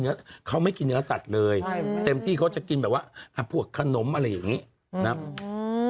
แต่เขาไม่กินเนื้อสัตว์เลยเต็มที่เขาจะกินแบบว่าพวกขนมอะไรอย่างนี้